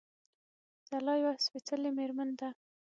ځلا يوه سپېڅلې مېرمن ده